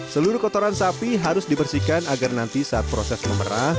seluruh kotoran sapi harus dibersihkan agar nanti saat proses memerah